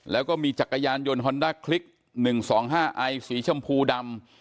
แล้วก็มีจักรยานยนต์ฮอนด้าคลิกหนึ่งสองห้าไอสีชมพูดำ